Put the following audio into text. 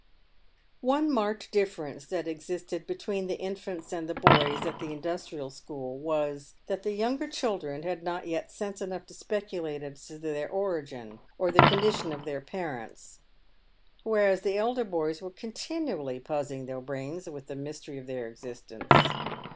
One marked difference that existed between the infants and the boys at the Industrial School was, that the younger children had not yet sense enough to speculate as to their origin or the condition of their parents ; whereas the elder boys were continually puzzling their brains with the mystery of their existence.